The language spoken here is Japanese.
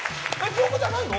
僕じゃないの？